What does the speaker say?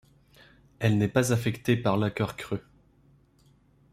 Elle n'est pas affecté par la cœur creux.